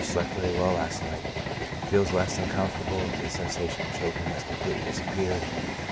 — Slept very well last night, feels less uncom fortable ; the sensation of choking has completely disap peared.